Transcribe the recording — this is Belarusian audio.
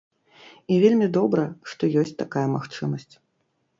І вельмі добра, што ёсць такая магчымасць.